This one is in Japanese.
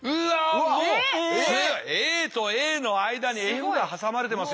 もうＡとＡの間にＦが挟まれてますよ。